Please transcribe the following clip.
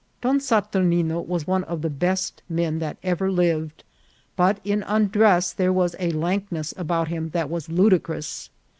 Don Saturnino was one of the best men that ever lived, but in undress there was a lankness about him that was ludicrous.